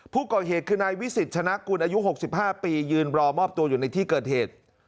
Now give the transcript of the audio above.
ผู้ก่อเหตุคือนายวิสิตชนะกุลอายุ๖๕ปียืนรอมอบตัวอยู่ในที่เกิดเหตุ